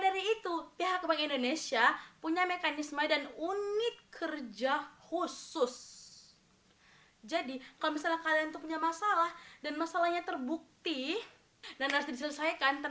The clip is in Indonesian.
dari itu pihak bank indonesia punya mekanisme dan unit kerja khusus jadi kalau misalnya kalian